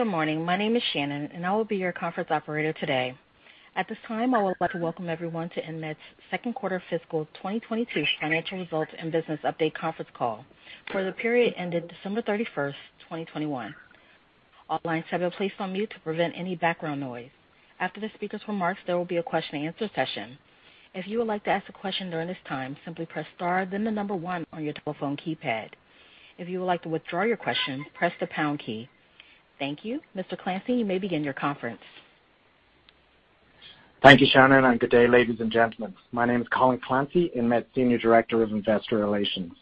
Good morning. My name is Shannon, and I will be your conference operator today. At this time, I would like to welcome everyone to InMed's second quarter fiscal 2022 financial results and business update conference call for the period ended December 31st, 2021. All lines have been placed on mute to prevent any background noise. After the speaker's remarks, there will be a question and answer session. If you would like to ask a question during this time, simply press star then the number one on your telephone keypad. If you would like to withdraw your question, press the pound key. Thank you. Mr. Clancy, you may begin your conference. Thank you, Shannon, and good day, ladies and gentlemen. My name is Colin Clancy, InMed Senior Director of Investor Relations.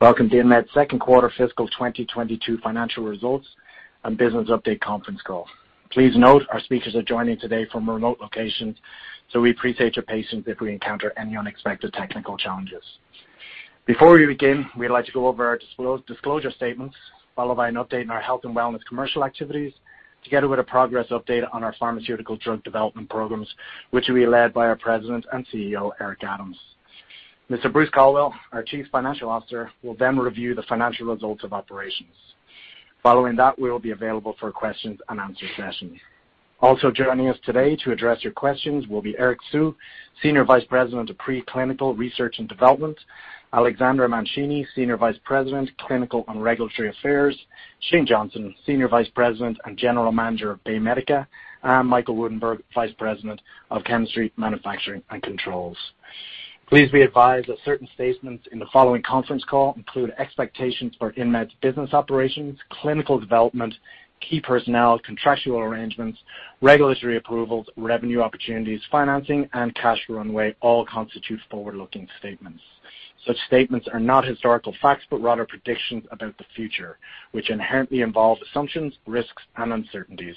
Welcome to InMed's second quarter fiscal 2022 financial results and business update conference call. Please note our speakers are joining today from remote locations, so we appreciate your patience if we encounter any unexpected technical challenges. Before we begin, we'd like to go over our disclosure statements, followed by an update on our health and wellness commercial activities, together with a progress update on our pharmaceutical drug development programs, which will be led by our President and CEO, Eric Adams. Mr. Bruce Colwill, our Chief Financial Officer, will then review the financial results of operations. Following that, we will be available for questions and answer session. Also joining us today to address your questions will be Eric Hsu, Senior Vice President of Preclinical Research and Development, Alexandra Mancini, Senior Vice President, Clinical and Regulatory Affairs, Shane Johnson, Senior Vice President and General Manager of BayMedica, and Michael Woudenberg, Vice President of Chemistry, Manufacturing and Controls. Please be advised that certain statements in the following conference call include expectations for InMed's business operations, clinical development, key personnel, contractual arrangements, regulatory approvals, revenue opportunities, financing and cash runway, all constitute forward-looking statements. Such statements are not historical facts, but rather predictions about the future, which inherently involve assumptions, risks and uncertainties.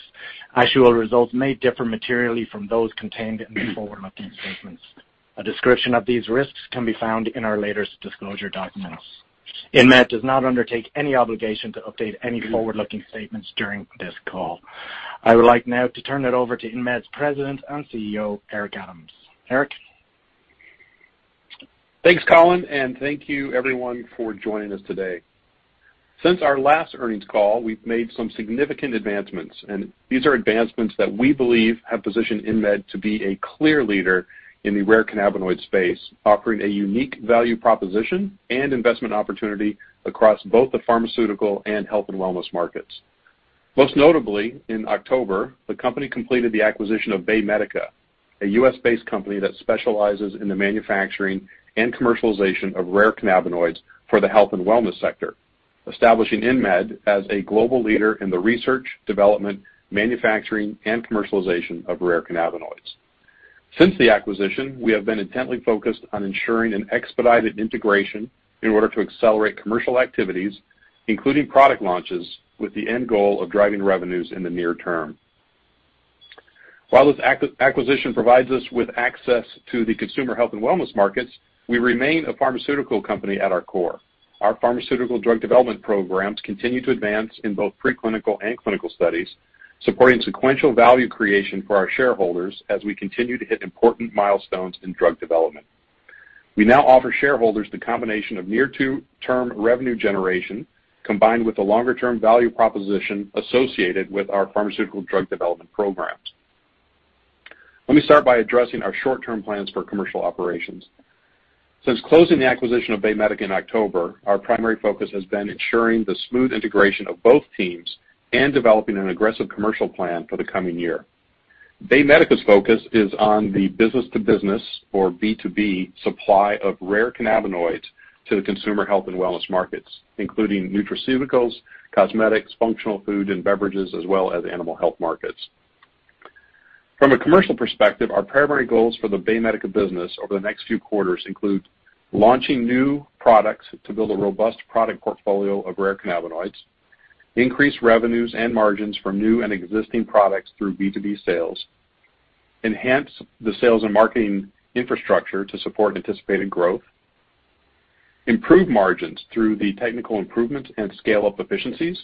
Actual results may differ materially from those contained in the forward-looking statements. A description of these risks can be found in our latest disclosure documents. InMed does not undertake any obligation to update any forward-looking statements during this call. I would like now to turn it over to InMed's President and CEO, Eric Adams. Eric? Thanks, Colin, and thank you everyone for joining us today. Since our last earnings call, we've made some significant advancements, and these are advancements that we believe have positioned InMed to be a clear leader in the rare cannabinoid space, offering a unique value proposition and investment opportunity across both the pharmaceutical and health and wellness markets. Most notably, in October, the company completed the acquisition of BayMedica, a U.S. based company that specializes in the manufacturing and commercialization of rare cannabinoids for the health and wellness sector, establishing InMed as a global leader in the research, development, manufacturing and commercialization of rare cannabinoids. Since the acquisition, we have been intently focused on ensuring an expedited integration in order to accelerate commercial activities, including product launches, with the end goal of driving revenues in the near term. While this acquisition provides us with access to the consumer health and wellness markets, we remain a pharmaceutical company at our core. Our pharmaceutical drug development programs continue to advance in both preclinical and clinical studies, supporting sequential value creation for our shareholders as we continue to hit important milestones in drug development. We now offer shareholders the combination of near-term revenue generation combined with the longer-term value proposition associated with our pharmaceutical drug development programs. Let me start by addressing our short-term plans for commercial operations. Since closing the acquisition of BayMedica in October, our primary focus has been ensuring the smooth integration of both teams and developing an aggressive commercial plan for the coming year. BayMedica's focus is on the business-to-business, or B2B, supply of rare cannabinoids to the consumer health and wellness markets, including nutraceuticals, cosmetics, functional food and beverages, as well as animal health markets. From a commercial perspective, our primary goals for the BayMedica business over the next few quarters include launching new products to build a robust product portfolio of rare cannabinoids, increase revenues and margins from new and existing products through B2B sales, enhance the sales and marketing infrastructure to support anticipated growth, improve margins through the technical improvements and scale-up efficiencies,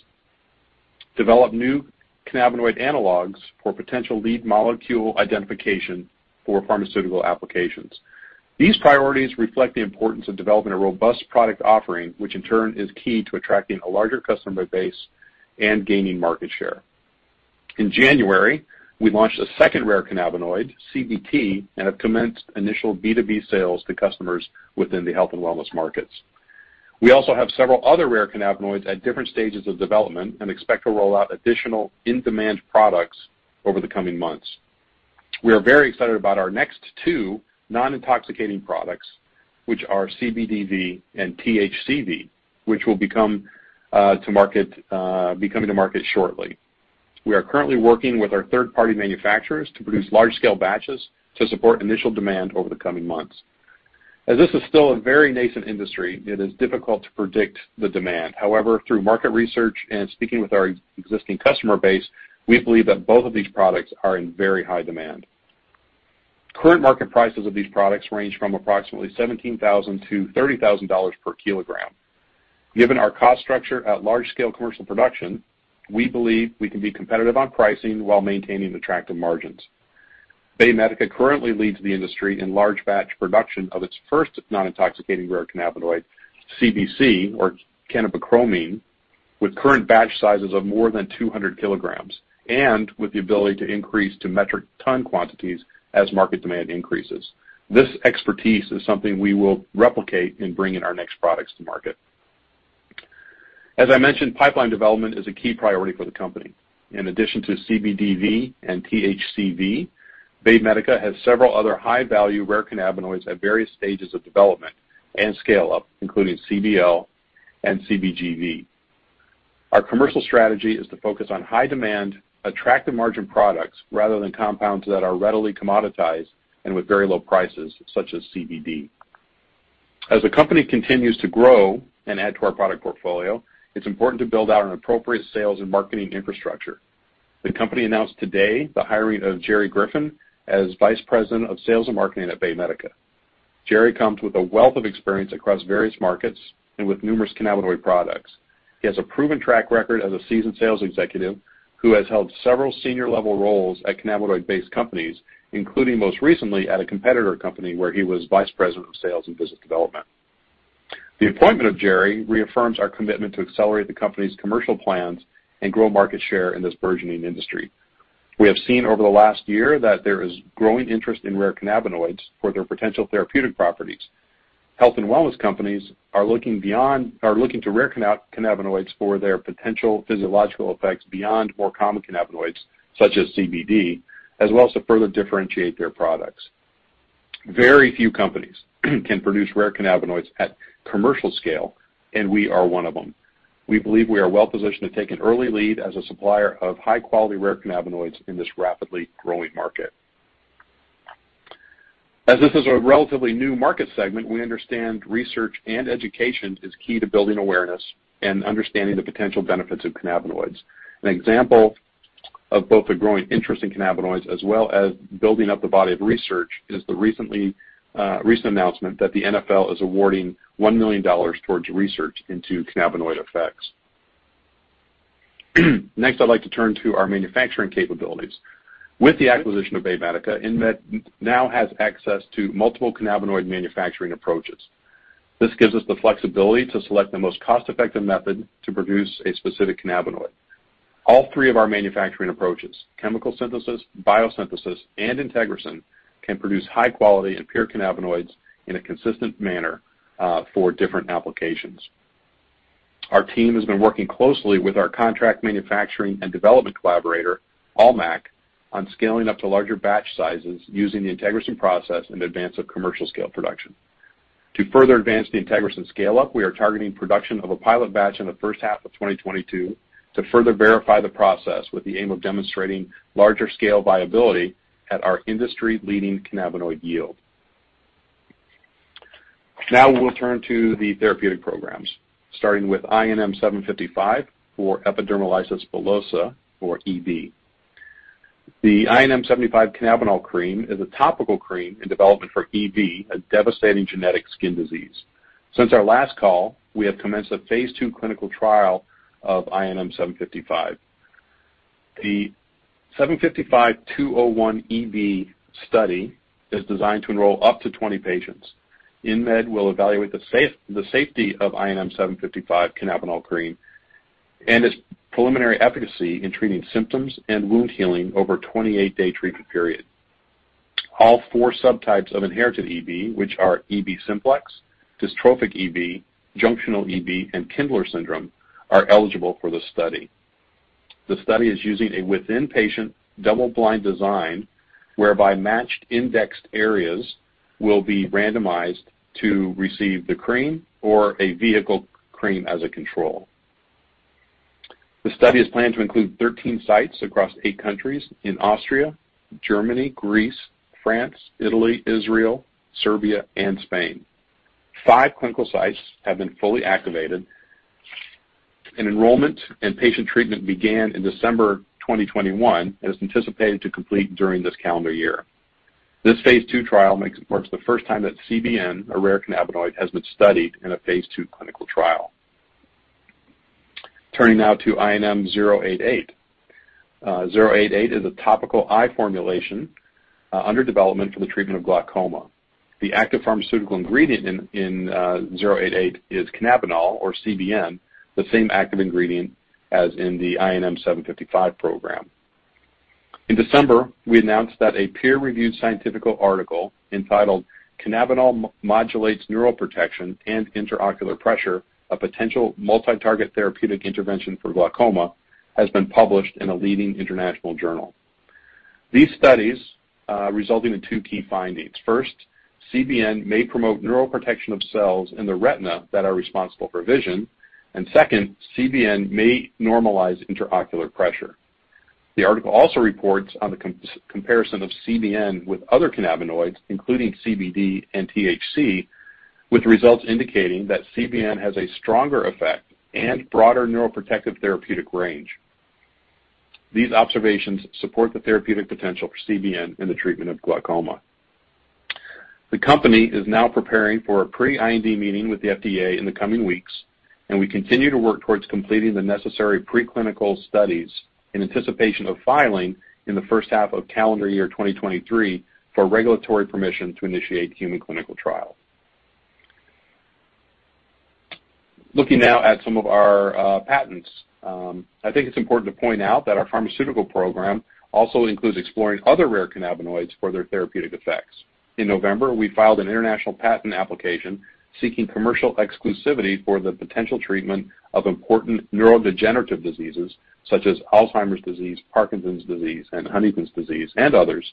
develop new cannabinoid analogs for potential lead molecule identification for pharmaceutical applications. These priorities reflect the importance of developing a robust product offering, which in turn is key to attracting a larger customer base and gaining market share. In January, we launched a second rare cannabinoid CBT and have commenced initial B2B sales to customers within the health and wellness markets. We also have several other rare cannabinoids at different stages of development and expect to roll out additional in-demand products over the coming months. We are very excited about our next two non-intoxicating products, which are CBDV and THCV, which will be coming to market shortly. We are currently working with our third-party manufacturers to produce large-scale batches to support initial demand over the coming months. As this is still a very nascent industry, it is difficult to predict the demand. However, through market research and speaking with our existing customer base, we believe that both of these products are in very high demand. Current market prices of these products range from approximately $17,000-$30,000 per kg. Given our cost structure at large-scale commercial production, we believe we can be competitive on pricing while maintaining attractive margins. BayMedica currently leads the industry in large batch production of its first non-intoxicating rare cannabinoid, CBC or cannabichromene, with current batch sizes of more than 200 kg, and with the ability to increase to metric ton quantities as market demand increases. This expertise is something we will replicate in bringing our next products to market. As I mentioned, pipeline development is a key priority for the company. In addition to CBDV and THCV, BayMedica has several other high-value rare cannabinoids at various stages of development and scale-up, including CBL and CBGV. Our commercial strategy is to focus on high-demand, attractive margin products rather than compounds that are readily commoditized and with very low prices, such as CBD. As the company continues to grow and add to our product portfolio, it's important to build out an appropriate sales and marketing infrastructure. The company announced today the hiring of Jerry Griffin as Vice President of Sales and Marketing at BayMedica. Jerry comes with a wealth of experience across various markets and with numerous cannabinoid products. He has a proven track record as a seasoned sales executive who has held several senior-level roles at cannabinoid-based companies, including most recently at a competitor company where he was Vice President of Sales and Business Development. The appointment of Jerry reaffirms our commitment to accelerate the company's commercial plans and grow market share in this burgeoning industry. We have seen over the last year that there is growing interest in rare cannabinoids for their potential therapeutic properties. Health and wellness companies are looking to rare cannabinoids for their potential physiological effects beyond more common cannabinoids, such as CBD, as well as to further differentiate their products. Very few companies can produce rare cannabinoids at commercial scale, and we are one of them. We believe we are well-positioned to take an early lead as a supplier of high-quality rare cannabinoids in this rapidly growing market. As this is a relatively new market segment, we understand research and education is key to building awareness and understanding the potential benefits of cannabinoids. An example of both the growing interest in cannabinoids as well as building up the body of research is the recent announcement that the NFL is awarding $1 million towards research into cannabinoid effects. Next, I'd like to turn to our manufacturing capabilities. With the acquisition of BayMedica, InMed now has access to multiple cannabinoid manufacturing approaches. This gives us the flexibility to select the most cost-effective method to produce a specific cannabinoid. All three of our manufacturing approaches, chemical synthesis, biosynthesis, and IntegraSyn, can produce high quality and pure cannabinoids in a consistent manner for different applications. Our team has been working closely with our contract manufacturing and development collaborator, Almac, on scaling up to larger batch sizes using the IntegraSyn process in advance of commercial scale production. To further advance the IntegraSyn scale-up, we are targeting production of a pilot batch in the first half of 2022 to further verify the process with the aim of demonstrating larger scale viability at our industry-leading cannabinoid yield. Now we'll turn to the therapeutic programs, starting with INM-755 for epidermolysis bullosa or EB. The INM-755 cannabinol cream is a topical cream in development for EB, a devastating genetic skin disease. Since our last call, we have commenced a phase II clinical trial of INM-755. The 755 201-EB study is designed to enroll up to 20 patients. InMed will evaluate the safety of INM-755 cannabinol cream and its preliminary efficacy in treating symptoms and wound healing over a 28-day treatment period. All four subtypes of inherited EB, which are EB simplex, dystrophic EB, junctional EB, and Kindler syndrome, are eligible for the study. The study is using a within patient double-blind design whereby matched indexed areas will be randomized to receive the cream or a vehicle cream as a control. The study is planned to include 13 sites across eight countries in Austria, Germany, Greece, France, Italy, Israel, Serbia, and Spain. Five clinical sites have been fully activated and enrollment and patient treatment began in December 2021 and is anticipated to complete during this calendar year. This phase II trial marks the first time that CBN, a rare cannabinoid, has been studied in a phase II clinical trial. Turning now to INM-088. 088 is a topical eye formulation under development for the treatment of glaucoma. The active pharmaceutical ingredient in 088 is cannabinol or CBN, the same active ingredient as in the INM-755 program. In December, we announced that a peer-reviewed scientific article entitled Cannabinol Modulates Neuroprotection and Intraocular Pressure: A Potential Multitarget Therapeutic Intervention for Glaucoma has been published in a leading international journal. These studies resulting in two key findings. First, CBN may promote neural protection of cells in the retina that are responsible for vision. Second, CBN may normalize intraocular pressure. The article also reports on the comparison of CBN with other cannabinoids, including CBD and THC, with results indicating that CBN has a stronger effect and broader neuroprotective therapeutic range. These observations support the therapeutic potential for CBN in the treatment of glaucoma. The company is now preparing for a pre-IND meeting with the FDA in the coming weeks, and we continue to work towards completing the necessary preclinical studies in anticipation of filing in the first half of calendar year 2023 for regulatory permission to initiate human clinical trial. Looking now at some of our patents, I think it's important to point out that our pharmaceutical program also includes exploring other rare cannabinoids for their therapeutic effects. In November, we filed an international patent application seeking commercial exclusivity for the potential treatment of important neurodegenerative diseases such as Alzheimer's disease, Parkinson's disease, and Huntington's disease, and others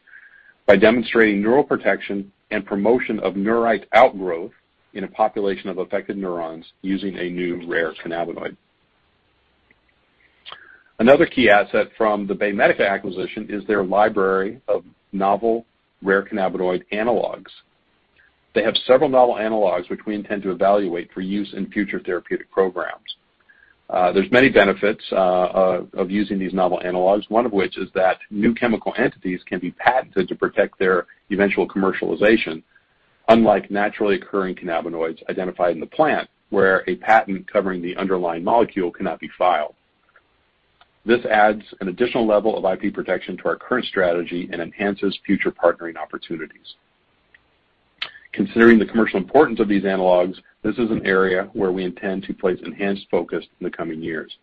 by demonstrating neuroprotection and promotion of neurite outgrowth in a population of affected neurons using a new rare cannabinoid. Another key asset from the BayMedica acquisition is their library of novel rare cannabinoid analogs. They have several novel analogs which we intend to evaluate for use in future therapeutic programs. There's many benefits of using these novel analogs, one of which is that new chemical entities can be patented to protect their eventual commercialization, unlike naturally occurring cannabinoids identified in the plant, where a patent covering the underlying molecule cannot be filed. This adds an additional level of IP protection to our current strategy and enhances future partnering opportunities. Considering the commercial importance of these analogs, this is an area where we intend to place enhanced focus in the coming years.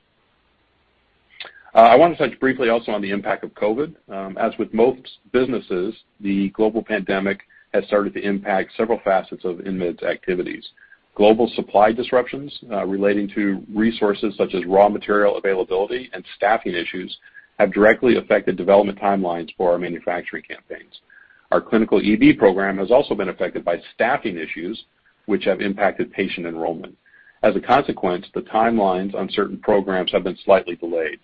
I want to touch briefly also on the impact of COVID. As with most businesses, the global pandemic has started to impact several facets of InMed's activities. Global supply disruptions relating to resources such as raw material availability and staffing issues have directly affected development timelines for our manufacturing campaigns. Our clinical EB program has also been affected by staffing issues, which have impacted patient enrollment. As a consequence, the timelines on certain programs have been slightly delayed.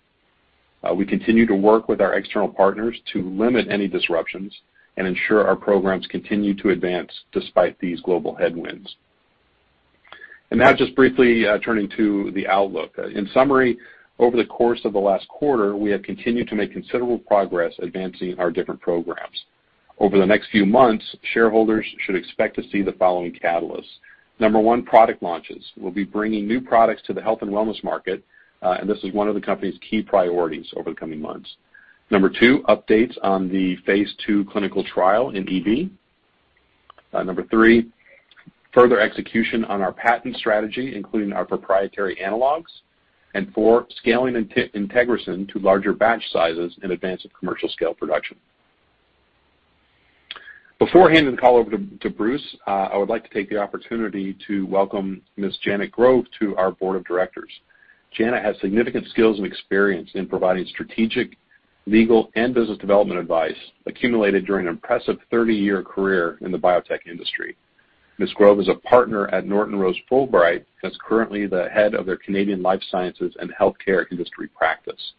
We continue to work with our external partners to limit any disruptions and ensure our programs continue to advance despite these global headwinds. Now just briefly, turning to the outlook. In summary, over the course of the last quarter, we have continued to make considerable progress advancing our different programs. Over the next few months, shareholders should expect to see the following catalysts. Number one, product launches. We'll be bringing new products to the health and wellness market, and this is one of the company's key priorities over the coming months. Number two, updates on the phase II clinical trial in EB. Number three, further execution on our patent strategy, including our proprietary analogs. Four, scaling IntegraSyn to larger batch sizes in advance of commercial scale production. Before handing the call over to Bruce, I would like to take the opportunity to welcome Ms. Janet Grove to our board of directors. Janet has significant skills and experience in providing strategic, legal, and business development advice accumulated during an impressive 30-year career in the biotech industry. Ms. Grove is a partner at Norton Rose Fulbright and is currently the Head of their Canadian Life Sciences and Healthcare Industry Practice.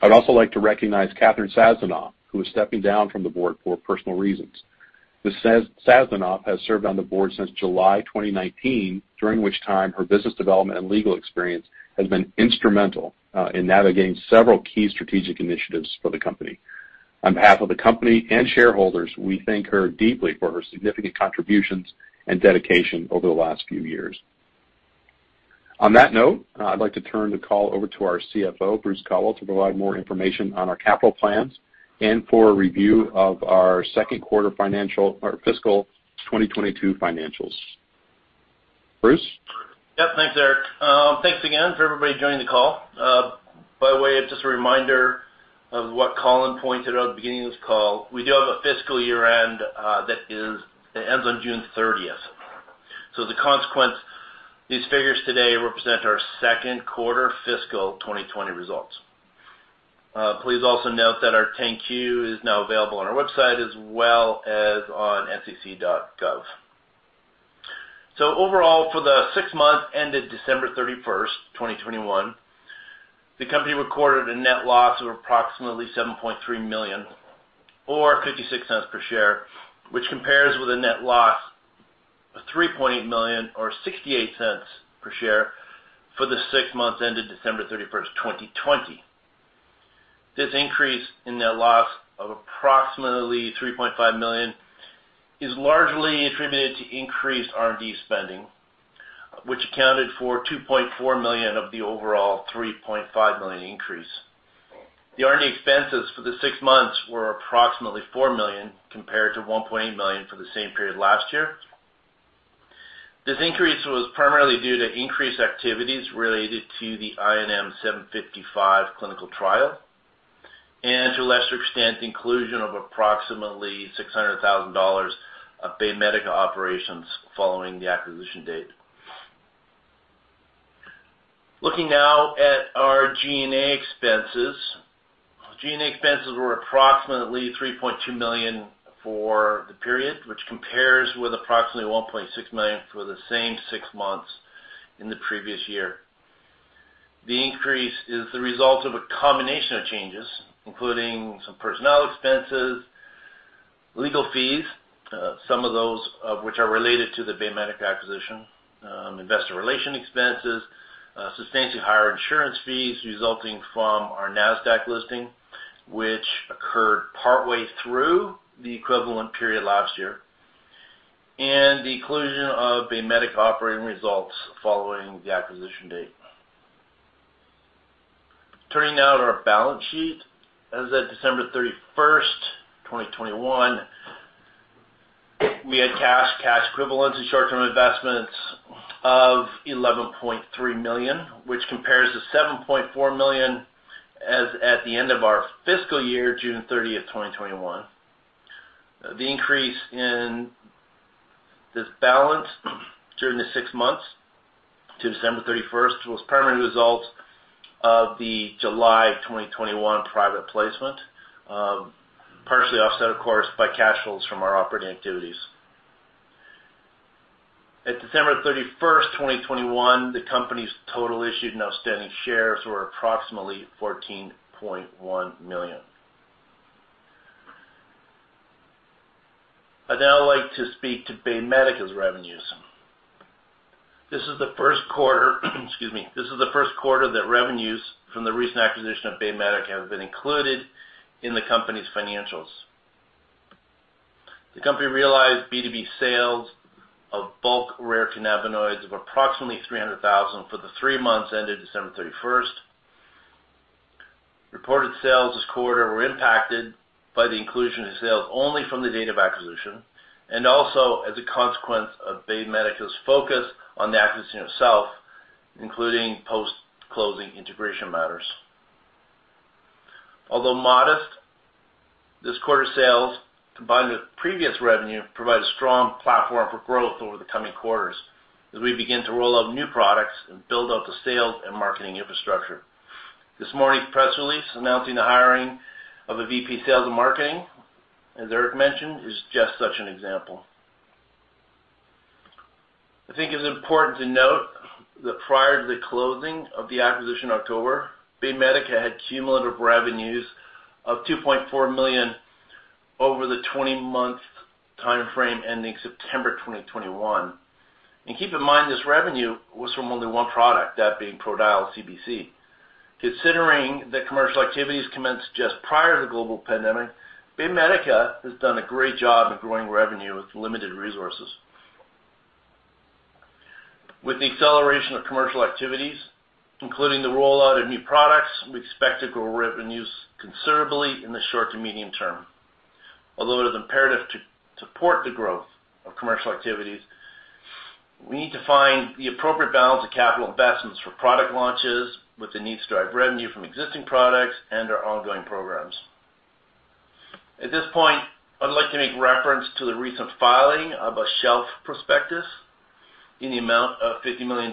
I'd also like to recognize Catherine Sazdanoff, who is stepping down from the board for personal reasons. Ms. Sazdanoff has served on the board since July 2019, during which time her business development and legal experience has been instrumental in navigating several key strategic initiatives for the company. On behalf of the company and shareholders, we thank her deeply for her significant contributions and dedication over the last few years. On that note, I'd like to turn the call over to our CFO, Bruce Colwill, to provide more information on our capital plans and for a review of our second quarter financial or fiscal 2022 financials. Bruce? Yeah. Thanks, Eric. Thanks again for everybody joining the call. By the way, just a reminder of what Colin pointed out at the beginning of this call, we do have a fiscal year-end that ends on June 30th. The consequence, these figures today represent our second quarter fiscal 2020 results. Please also note that our 10-Q is now available on our website as well as on sec.gov. Overall, for the six months ended December 31st, 2021, the company recorded a net loss of approximately $7.3 million or $0.56 per share, which compares with a net loss of $3.8 million or $0.68 per share for the six months ended December 31st, 2020. This increase in net loss of approximately $3.5 million is largely attributed to increased R&D spending, which accounted for $2.4 million of the overall $3.5 million increase. The R&D expenses for the six months were approximately $4 million, compared to $1.8 million for the same period last year. This increase was primarily due to increased activities related to the INM-755 clinical trial, and to a lesser extent, the inclusion of approximately $600,000 of BayMedica operations following the acquisition date. Looking now at our G&A expenses. G&A expenses were approximately $3.2 million for the period, which compares with approximately $1.6 million for the same six months in the previous year. The increase is the result of a combination of changes, including some personnel expenses, legal fees, some of those which are related to the BayMedica acquisition, investor relations expenses, substantially higher insurance fees resulting from our NASDAQ listing, which occurred partway through the equivalent period last year, and the inclusion of BayMedica operating results following the acquisition date. Turning now to our balance sheet. As of December 31st, 2021, we had cash equivalents, and short-term investments of $11.3 million, which compares to $7.4 million as at the end of our fiscal year, June 30th, 2021. The increase in this balance during the six months to December 31st was the primary result of the July 2021 private placement, partially offset, of course, by cash flows from our operating activities. At December 31st, 2021, the company's total issued and outstanding shares were approximately 14.1 million. I'd now like to speak to BayMedica's revenues. This is the first quarter that revenues from the recent acquisition of BayMedica have been included in the company's financials. The company realized B2B sales of bulk rare cannabinoids of approximately $300,000 for the three months ended December 31st. Reported sales this quarter were impacted by the inclusion of sales only from the date of acquisition and also as a consequence of BayMedica's focus on the acquisition itself, including post-closing integration matters. Although modest, this quarter's sales, combined with previous revenue, provide a strong platform for growth over the coming quarters as we begin to roll out new products and build out the sales and marketing infrastructure. This morning's press release announcing the hiring of a VP Sales and Marketing, as Eric mentioned, is just such an example. I think it's important to note that prior to the closing of the acquisition in October, BayMedica had cumulative revenues of $2.4 million over the 20-month timeframe ending September 2021. Keep in mind this revenue was from only one product, that being Prodiol CBC. Considering that commercial activities commenced just prior to the global pandemic, BayMedica has done a great job of growing revenue with limited resources. With the acceleration of commercial activities, including the rollout of new products, we expect to grow revenues considerably in the short to medium term. Although it is imperative to support the growth of commercial activities, we need to find the appropriate balance of capital investments for product launches with the need to drive revenue from existing products and our ongoing programs. At this point, I'd like to make reference to the recent filing of a shelf prospectus in the amount of $50 million.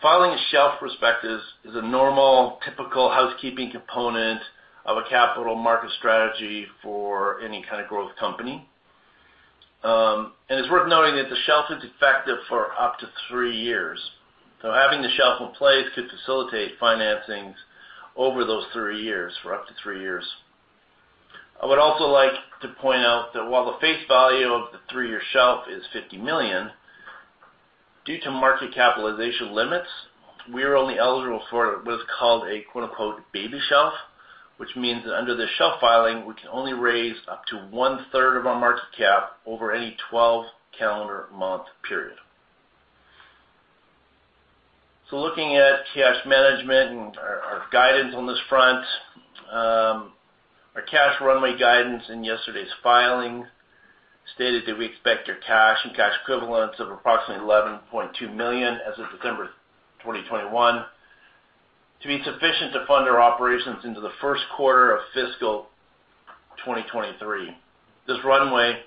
Filing a shelf prospectus is a normal, typical housekeeping component of a capital market strategy for any kind of growth company. It's worth noting that the shelf is effective for up to three years. Having the shelf in place could facilitate financings over those three years, for up to three years. I would also like to point out that while the face value of the three-year shelf is $50 million, due to market capitalization limits, we are only eligible for what is called a "Baby shelf", which means that under this shelf filing, we can only raise up to 1/3 of our market cap over any 12-month period. Looking at cash management and our guidance on this front, our cash runway guidance in yesterday's filing stated that we expect our cash and cash equivalents of approximately $11.2 million as of December 2021 to be sufficient to fund our operations into the first quarter of fiscal 2023. This runway,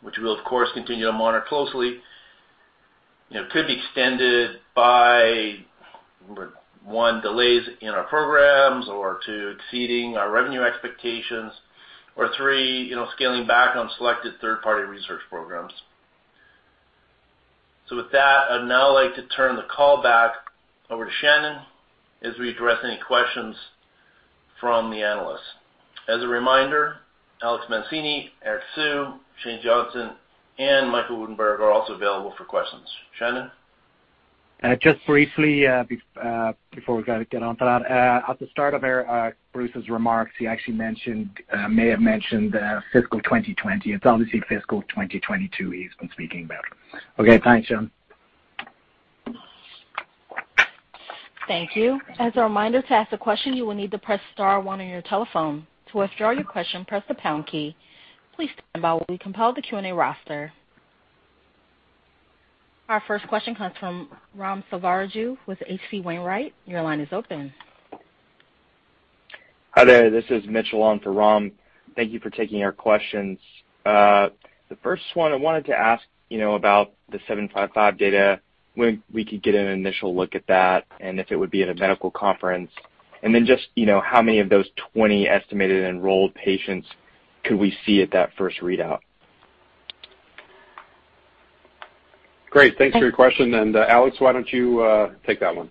which we'll of course continue to monitor closely, you know, could be extended by, one, delays in our programs, or two, exceeding our revenue expectations, or three, you know, scaling back on selected third-party research programs. With that, I'd now like to turn the call back over to Shannon as we address any questions from the analysts. As a reminder, Alex Mancini, Eric Hsu, Shane Johnson, and Michael Woudenberg are also available for questions. Shannon? Just briefly, before we get on to that, at the start of Bruce's remarks, he actually may have mentioned fiscal 2020. It's obviously fiscal 2022 he's been speaking about. Okay, thank you. Thank you. As a reminder, to ask a question, you will need to press star one on your telephone. To withdraw your question, press the pound key. Please stand by while we compile the Q&A roster. Our first question comes from Ram Selvaraju with H.C. Wainwright. Your line is open. Hi there. This is Mitch along for Ram. Thank you for taking our questions. The first one I wanted to ask, you know, about the 755 data, when we could get an initial look at that, and if it would be at a medical conference. Just, you know, how many of those 20 estimated enrolled patients could we see at that first readout? Great. Thanks for your question. Alex, why don't you take that one?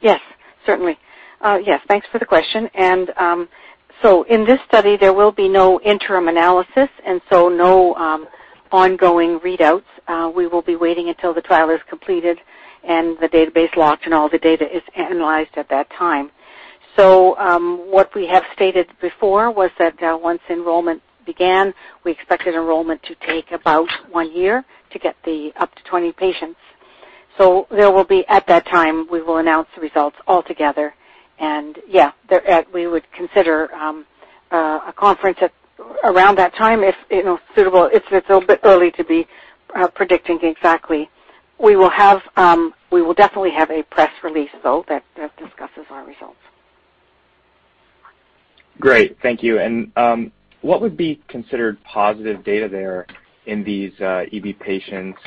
Yes, certainly. Yes, thanks for the question. In this study, there will be no interim analysis and so no ongoing readouts. We will be waiting until the trial is completed and the database locked, and all the data is analyzed at that time. What we have stated before was that once enrollment began, we expected enrollment to take about one year to get up to 20 patients. At that time, we will announce the results altogether. We would consider a conference at around that time if you know suitable. It's a little bit early to be predicting exactly. We will definitely have a press release, though, that discusses our results. Great. Thank you. What would be considered positive data there in these EB patients?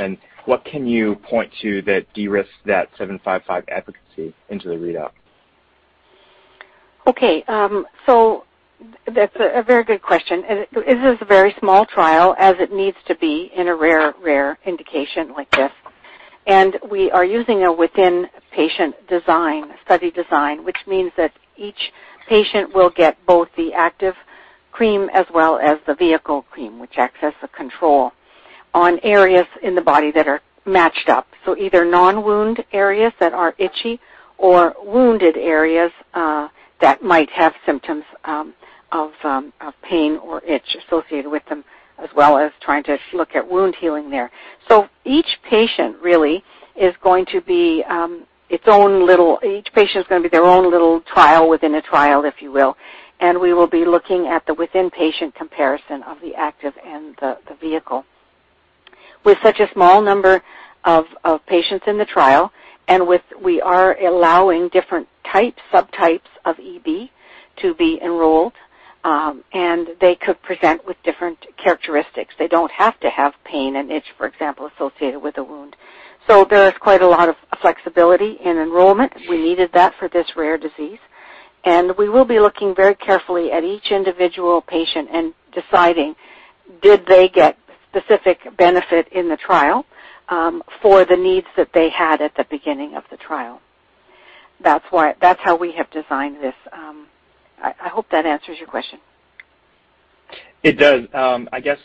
What can you point to that de-risks that 755 efficacy into the readout? Okay. That's a very good question. This is a very small trial as it needs to be in a rare indication like this. We are using a within-patient study design, which means that each patient will get both the active cream as well as the vehicle cream, which acts as a control on areas in the body that are matched up. Either non-wound areas that are itchy or wounded areas that might have symptoms of pain or itch associated with them, as well as trying to look at wound healing there. Each patient is going to be their own little trial within a trial, if you will, and we will be looking at the within-patient comparison of the active and the vehicle. With such a small number of patients in the trial and with, we are allowing different types, subtypes of EB to be enrolled, and they could present with different characteristics. They don't have to have pain and itch, for example, associated with the wound. There is quite a lot of flexibility in enrollment. We needed that for this rare disease. We will be looking very carefully at each individual patient and deciding, did they get specific benefit in the trial, for the needs that they had at the beginning of the trial? That's how we have designed this. I hope that answers your question. It does. I guess,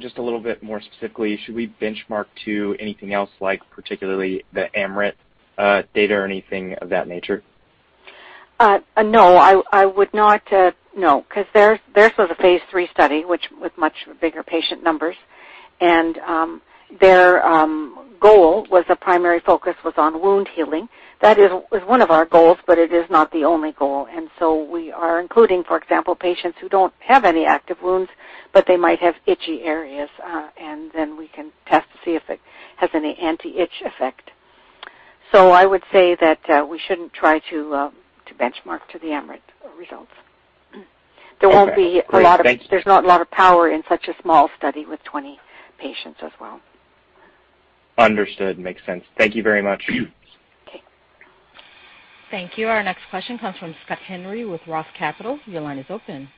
just a little bit more specifically, should we benchmark to anything else like particularly the Amryt data or anything of that nature? No, I would not. No, because theirs was a phase III study, which had much bigger patient numbers. Their primary focus was on wound healing. That was one of our goals, but it is not the only goal. For example, we are including patients who don't have any active wounds, but they might have itchy areas, and then we can test to see if it has any anti-itch effect. I would say that we shouldn't try to benchmark to the Amryt results. Okay. There won't be a lot of- Great. Thank you. There's not a lot of power in such a small study with 20 patients as well. Understood. Makes sense. Thank you very much. Okay. Thank you. Our next question comes from Scott Henry with Roth Capital. Your line is open.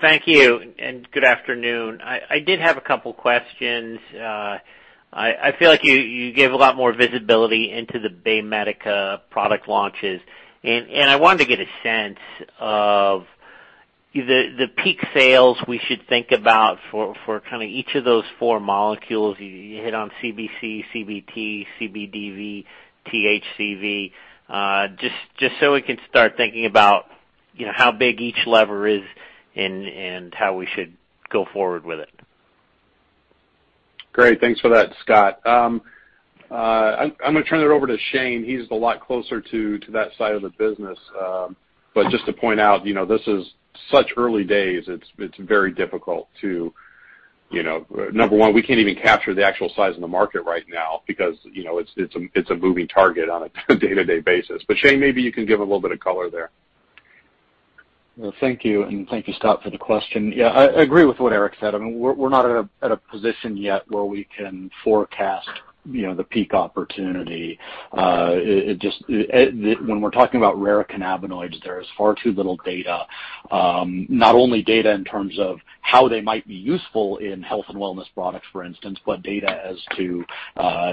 Thank you and good afternoon. I did have a couple questions. I feel like you gave a lot more visibility into the BayMedica product launches. I wanted to get a sense of the peak sales we should think about for kinda each of those four molecules. You hit on CBC, CBT, CBDV, THCV, just so we can start thinking about, you know, how big each lever is and how we should go forward with it. Great. Thanks for that, Scott. I'm gonna turn it over to Shane. He's a lot closer to that side of the business. Just to point out, you know, this is such early days, it's very difficult to, you know, number one, we can't even capture the actual size of the market right now because, you know, it's a moving target on a day-to-day basis. Shane, maybe you can give a little bit of color there. Well, thank you, and thank you, Scott, for the question. Yeah, I agree with what Eric said. I mean, we're not at a position yet where we can forecast, you know, the peak opportunity. When we're talking about rare cannabinoids, there is far too little data, not only data in terms of how they might be useful in health and wellness products, for instance, but data as to,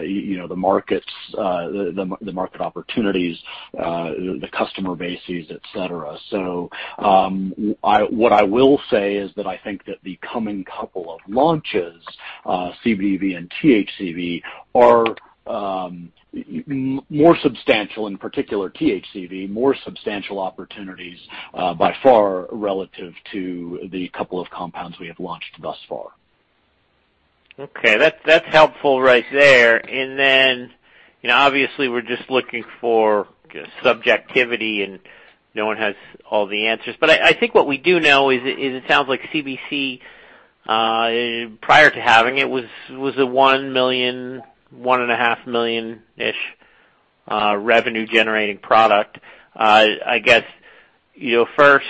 you know, the markets, the market opportunities, the customer bases, et cetera. What I will say is that I think that the coming couple of launches, CBDV and THCV, are more substantial, in particular THCV, more substantial opportunities, by far relative to the couple of compounds we have launched thus far. Okay. That's helpful right there. You know, obviously we're just looking for subjectivity and no one has all the answers. I think what we do know is it sounds like CBC prior to having it was a $1 million, $1.5 million-ish revenue generating product. I guess, you know, first,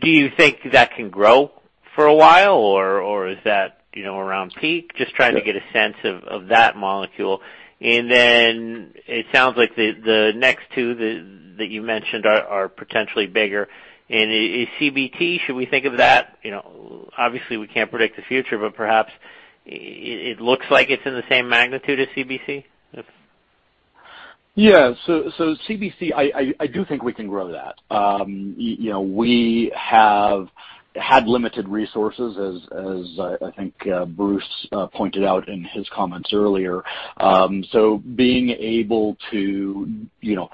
do you think that can grow for a while or is that, you know, around peak? Just trying to get a sense of that molecule. Then it sounds like the next two that you mentioned are potentially bigger. Is CBT, should we think of that, you know? Obviously, we can't predict the future, but perhaps it looks like it's in the same magnitude as CBC? CBC, I do think we can grow that. You know, we have had limited resources as I think Bruce pointed out in his comments earlier. Being able to you know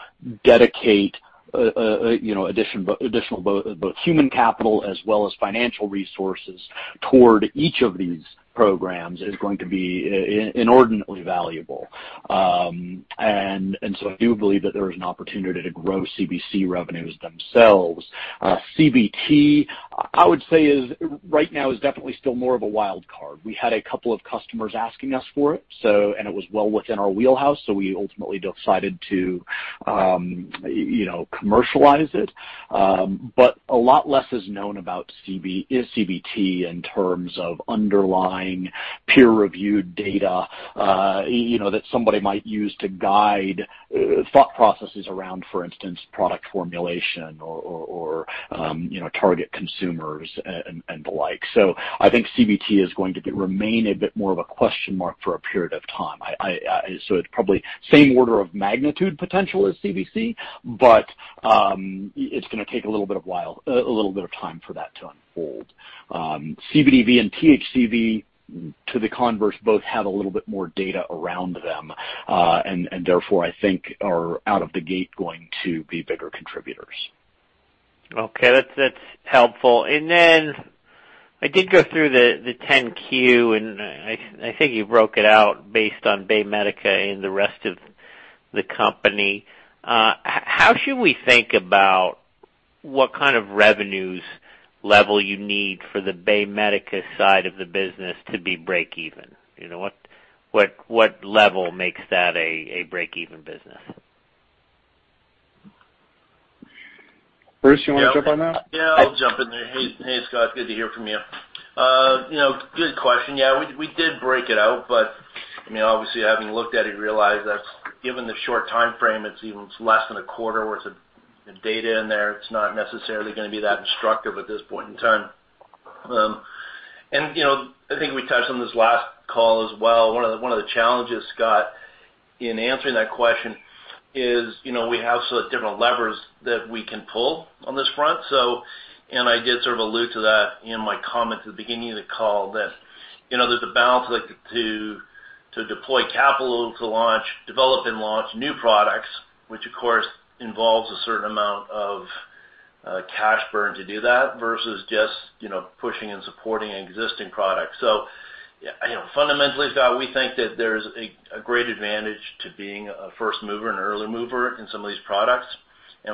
dedicate additional both human capital as well as financial resources toward each of these programs is going to be inordinately valuable. And so I do believe that there is an opportunity to grow CBC revenues themselves. CBT, I would say is right now definitely still more of a wild card. We had a couple of customers asking us for it, so and it was well within our wheelhouse, so we ultimately decided to you know commercialize it. A lot less is known about CBT in terms of underlying peer-reviewed data, you know, that somebody might use to guide thought processes around, for instance, product formulation or, you know, target consumers and alike. I think CBT is going to remain a bit more of a question mark for a period of time. It's probably same order of magnitude potential as CBC, but it's gonna take a little bit of time for that to unfold. CBDV and THCV, to the converse, both have a little bit more data around them, and therefore, I think are out of the gate going to be bigger contributors. Okay, that's helpful. Then I did go through the 10-Q, and I think you broke it out based on BayMedica and the rest of the company. How should we think about what kind of revenues level you need for the BayMedica side of the business to be break even? You know, what level makes that a break even business? Bruce, you wanna jump on that? Yeah, I'll jump in there. Hey, Scott. Good to hear from you. You know, good question. Yeah, we did break it out. I mean, obviously, having looked at it, you realize that's given the short time frame, it's even less than a quarter worth of data in there. It's not necessarily gonna be that instructive at this point in time. You know, I think we touched on this last call as well. One of the challenges, Scott, in answering that question is, you know, we have sort of different levers that we can pull on this front. I did sort of allude to that in my comments at the beginning of the call that, you know, there's a balance, like, to deploy capital, to launch, develop and launch new products, which of course involves a certain amount of cash burn to do that versus just, you know, pushing and supporting existing products. You know, fundamentally, Scott, we think that there's a great advantage to being a first mover and early mover in some of these products.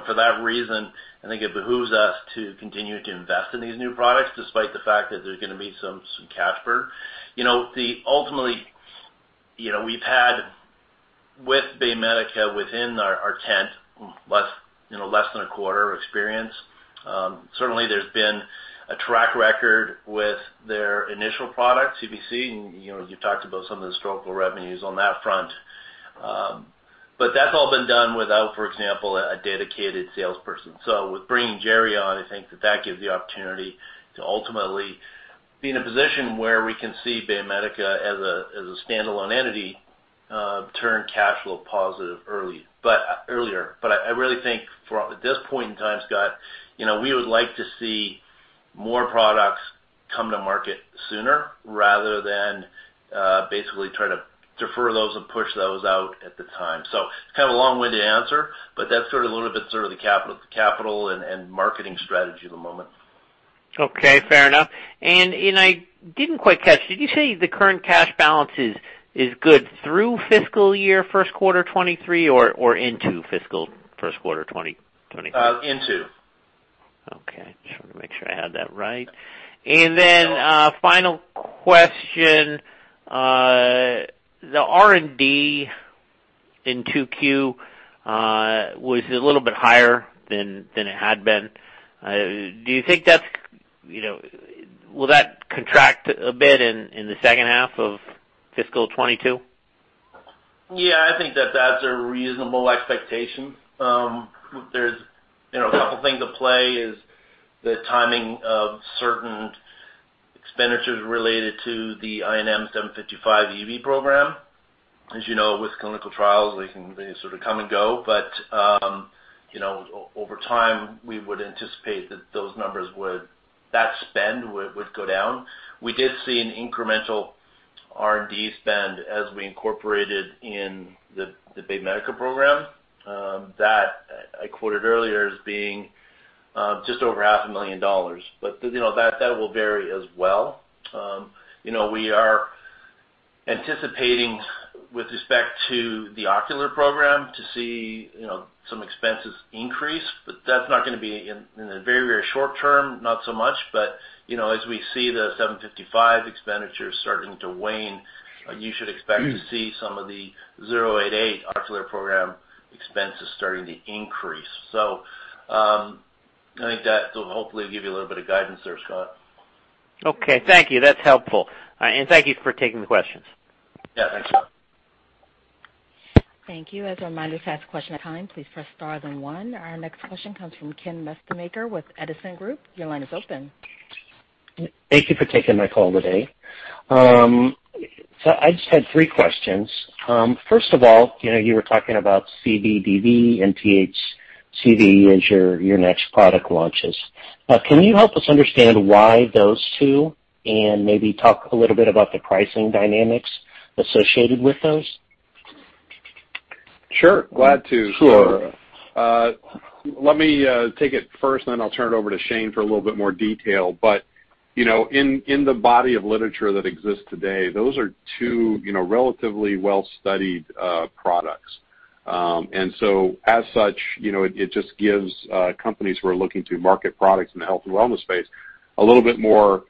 For that reason, I think it behooves us to continue to invest in these new products despite the fact that there's gonna be some cash burn. You know, ultimately, we've had with BayMedica within our tent, you know, less than a quarter of experience. Certainly there's been a track record with their initial product, CBC. You know, you talked about some of the historical revenues on that front. That's all been done without, for example, a dedicated salesperson. With bringing Jerry on, I think that gives the opportunity to ultimately be in a position where we can see BayMedica as a standalone entity, turn cash flow positive early, but earlier. I really think for at this point in time, Scott, you know, we would like to see more products come to market sooner rather than basically try to defer those and push those out at the time. It's kind of a long way to answer, but that's sort of a little bit sort of the capital and marketing strategy at the moment. Okay, fair enough. I didn't quite catch, did you say the current cash balance is good through fiscal year first quarter 2023 or into fiscal first quarter 2024? Into. Okay. Just wanna make sure I have that right. Final question. The R&D in 2Q was a little bit higher than it had been. Do you think that's, you know, will that contract a bit in the second half of fiscal 2022? Yeah, I think that's a reasonable expectation. There's, you know, a couple things at play is the timing of certain expenditures related to the INM-755 EB program. As you know, with clinical trials, they can sort of come and go. Over time, we would anticipate that those numbers would, that spend would go down. We did see an incremental R&D spend as we incorporated in the BayMedica program, that I quoted earlier as being just over $500,000. You know, that will vary as well. You know, we are anticipating with respect to the ocular program to see, you know, some expenses increase, but that's not gonna be in the very, very short term, not so much. You know, as we see the 755 expenditures starting to wane, you should expect to see some of the 088 ocular program expenses starting to increase. I think that will hopefully give you a little bit of guidance there, Scott. Okay, thank you. That's helpful. Thank you for taking the questions. Yeah, thanks, Scott. Thank you. As a reminder, to ask a question at this time, please press star then one. Our next question comes from Ken Mestemacher with Edison Group. Your line is open. Thank you for taking my call today. I just had three questions. First of all, you know, you were talking about CBDV and THCV as your next product launches. Can you help us understand why those two and maybe talk a little bit about the pricing dynamics associated with those? Sure. Glad to. Sure. Let me take it first, then I'll turn it over to Shane for a little bit more detail. You know, in the body of literature that exists today, those are two, you know, relatively well-studied products. As such, you know, it just gives companies who are looking to market products in the health and wellness space a little bit more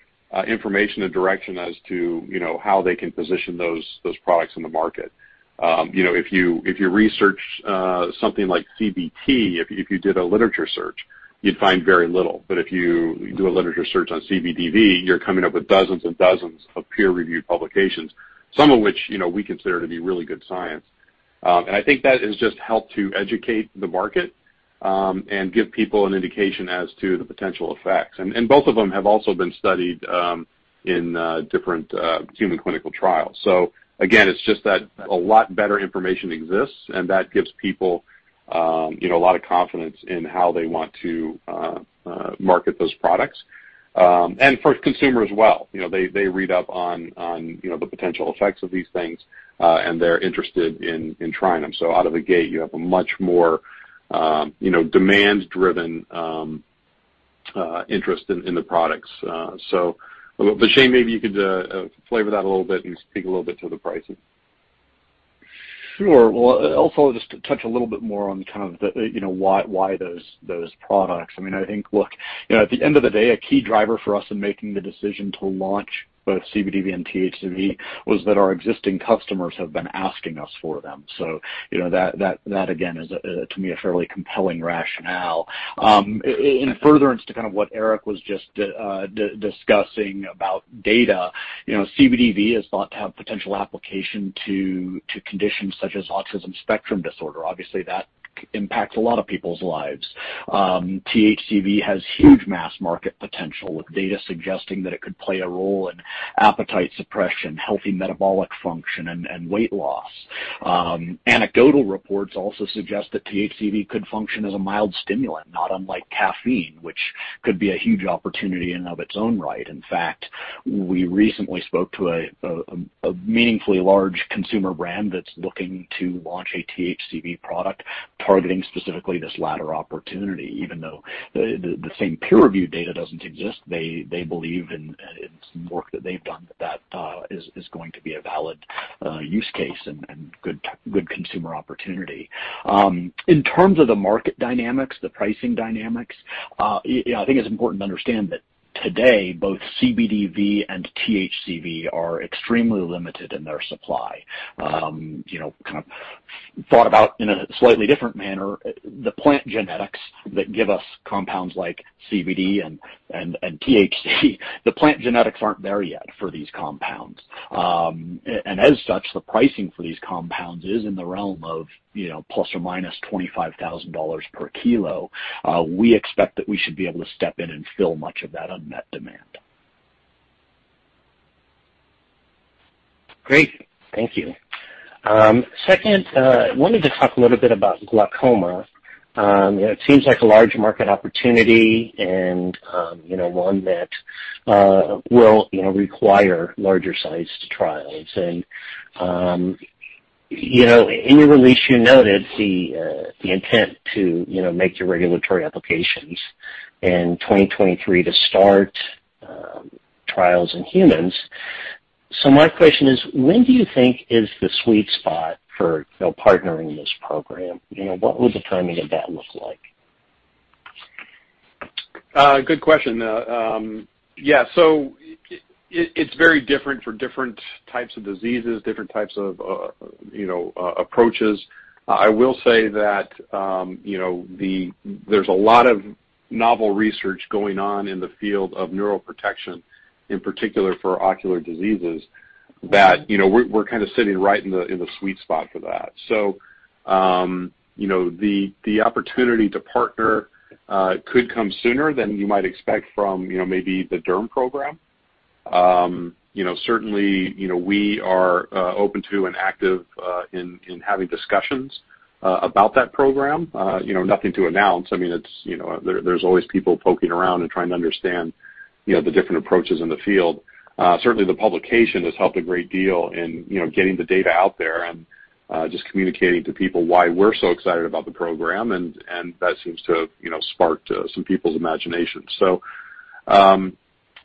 information and direction as to, you know, how they can position those products in the market. You know, if you research something like CBT, if you did a literature search, you'd find very little. If you do a literature search on CBDV, you're coming up with dozens and dozens of peer-reviewed publications, some of which, you know, we consider to be really good science. I think that has just helped to educate the market and give people an indication as to the potential effects. Both of them have also been studied in different human clinical trials. Again, it's just that a lot better information exists, and that gives people you know a lot of confidence in how they want to market those products. For consumers as well, you know, they read up on you know the potential effects of these things, and they're interested in trying them. Out of the gate, you have a much more you know demand-driven interest in the products. Shane, maybe you could flavor that a little bit and speak a little bit to the pricing. Sure. Well, also just to touch a little bit more on kind of the why those products. I think at the end of the day, a key driver for us in making the decision to launch both CBDV and THCV was that our existing customers have been asking us for them. That again is to me a fairly compelling rationale. In furtherance to kind of what Eric was just discussing about data, CBDV is thought to have potential application to conditions such as autism spectrum disorder. Obviously, that impacts a lot of people's lives. THCV has huge mass market potential, with data suggesting that it could play a role in appetite suppression, healthy metabolic function, and weight loss. Anecdotal reports also suggest that THCV could function as a mild stimulant, not unlike caffeine, which could be a huge opportunity in of its own right. In fact, we recently spoke to a meaningfully large consumer brand that's looking to launch a THCV product targeting specifically this latter opportunity. Even though the same peer review data doesn't exist, they believe in some work that they've done that is going to be a valid use case and good consumer opportunity. In terms of the market dynamics, the pricing dynamics, yeah, I think it's important to understand that today, both CBDV and THCV are extremely limited in their supply. You know, kind of thought about in a slightly different manner, the plant genetics that give us compounds like CBD and THC, the plant genetics aren't there yet for these compounds. As such, the pricing for these compounds is in the realm of, you know, ± $25,000 per kilo. We expect that we should be able to step in and fill much of that unmet demand. Great. Thank you. Second, wanted to talk a little bit about glaucoma. You know, it seems like a large market opportunity and, you know, one that will, you know, require larger-sized trials. You know, in your release, you noted the intent to, you know, make the regulatory applications in 2023 to start trials in humans. My question is, when do you think is the sweet spot for, you know, partnering this program? You know, what would the timing of that look like? Good question. It's very different for different types of diseases, different types of approaches. There's a lot of novel research going on in the field of neuroprotection, in particular for ocular diseases, that you know, we're kind of sitting right in the sweet spot for that. The opportunity to partner could come sooner than you might expect from you know, maybe the DERM program. Certainly, you know, we are open to and active in having discussions about that program. Nothing to announce. I mean, it's you know, there's always people poking around and trying to understand you know, the different approaches in the field. Certainly the publication has helped a great deal in, you know, getting the data out there and just communicating to people why we're so excited about the program and that seems to, you know, spark some people's imaginations.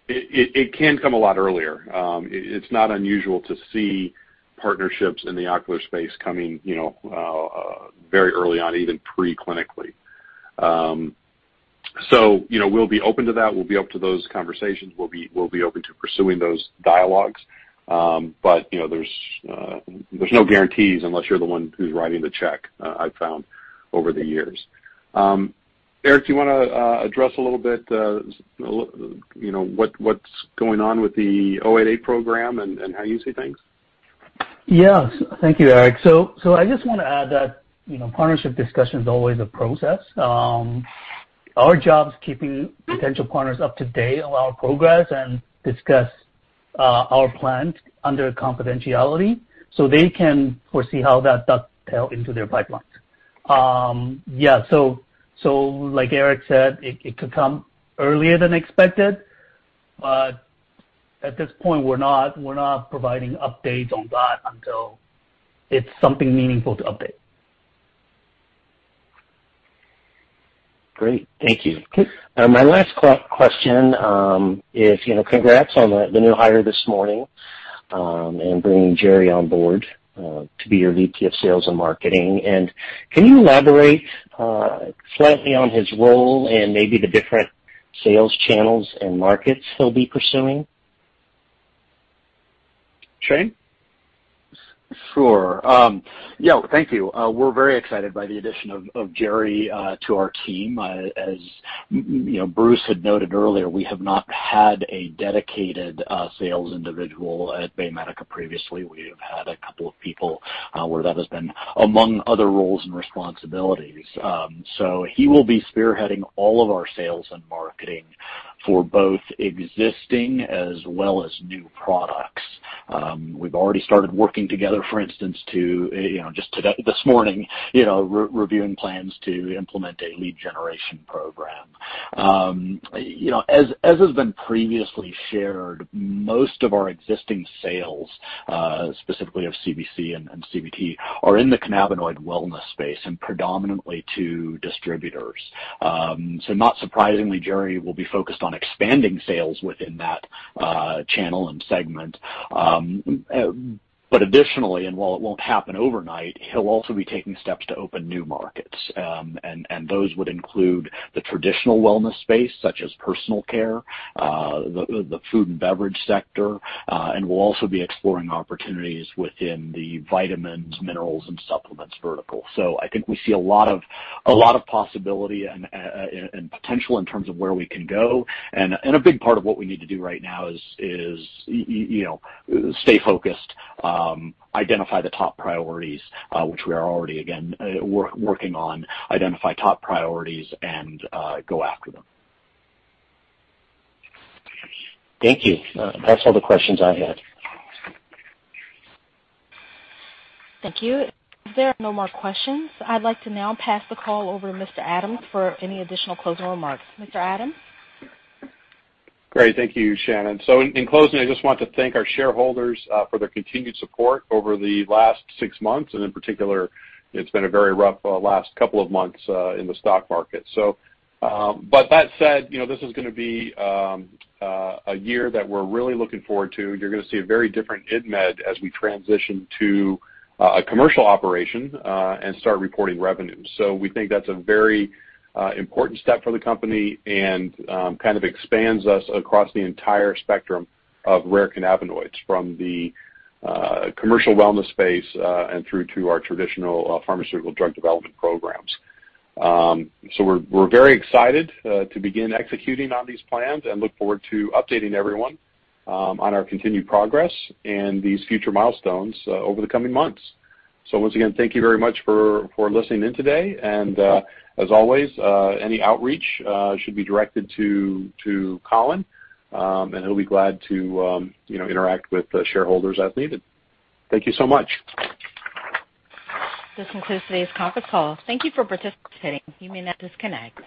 It can come a lot earlier. It's not unusual to see partnerships in the ocular space coming, you know, very early on, even pre-clinically. We'll be open to that. We'll be open to those conversations. We'll be open to pursuing those dialogues. There's no guarantees unless you're the one who's writing the check, I've found over the years. Eric, do you wanna address a little bit, you know, what's going on with the 088 program and how you see things? Yes. Thank you, Eric. I just want to add that, you know, partnership discussion is always a process. Our job is keeping potential partners up to date on our progress and discuss our plans under confidentiality so they can foresee how that dovetail into their pipelines. Yeah, like Eric said, it could come earlier than expected, but at this point we're not providing updates on that until it's something meaningful to update. Great. Thank you. Okay. My last question, you know, congrats on the new hire this morning, and bringing Jerry on board to be your VP of Sales and Marketing. Can you elaborate slightly on his role and maybe the different sales channels and markets he'll be pursuing? Shane? Sure. Yeah, thank you. We're very excited by the addition of Jerry to our team. As you know, Bruce had noted earlier, we have not had a dedicated sales individual at BayMedica previously. We have had a couple of people where that has been among other roles and responsibilities. He will be spearheading all of our sales and marketing for both existing as well as new products. We've already started working together, for instance, to just today, this morning, you know, re-reviewing plans to implement a lead generation program. You know, as has been previously shared, most of our existing sales specifically of CBC and CBT are in the cannabinoid wellness space and predominantly to distributors. Not surprisingly, Jerry will be focused on expanding sales within that channel and segment. Additionally, while it won't happen overnight, he'll also be taking steps to open new markets. Those would include the traditional wellness space such as personal care, the food and beverage sector, and we'll also be exploring opportunities within the vitamins, minerals, and supplements vertical. I think we see a lot of possibility and potential in terms of where we can go. A big part of what we need to do right now is you know, stay focused, identify the top priorities, which we are already working on and go after them. Thank you. That's all the questions I had. Thank you. If there are no more questions, I'd like to now pass the call over to Mr. Adams for any additional closing remarks. Mr. Adams? Great. Thank you, Shannon. In closing, I just want to thank our shareholders for their continued support over the last six months, and in particular, it's been a very rough last couple of months in the stock market. But that said, you know, this is gonna be a year that we're really looking forward to. You're gonna see a very different InMed as we transition to a commercial operation and start reporting revenues. We think that's a very important step for the company and kind of expands us across the entire spectrum of rare cannabinoids from the commercial wellness space and through to our traditional pharmaceutical drug development programs. We're very excited to begin executing on these plans and look forward to updating everyone on our continued progress and these future milestones over the coming months. Once again, thank you very much for listening in today and, as always, any outreach should be directed to Colin and he'll be glad to you know interact with the shareholders as needed. Thank you so much. This concludes today's conference call. Thank you for participating. You may now disconnect.